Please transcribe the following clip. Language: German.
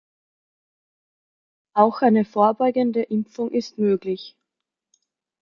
Auch eine vorbeugende Impfung ist möglich.